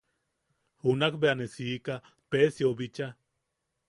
Junak bea ne siika Pesiou bicha.